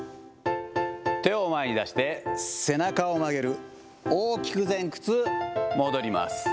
手を前に出して背中を曲げる、大きく前屈、戻ります。